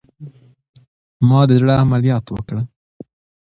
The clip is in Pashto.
ما د زړه عملیات وکړه